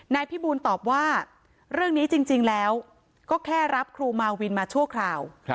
พี่บูลตอบว่าเรื่องนี้จริงแล้วก็แค่รับครูมาวินมาชั่วคราว